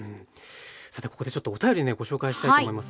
さてここでちょっとお便りをねご紹介したいと思います。